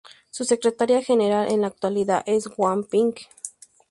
Su secretaria general en la actualidad es Wang Ping.